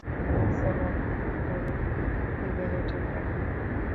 নিসার আলি হাত বাড়িয়ে সিগারেটের প্যাকেট নিলেন।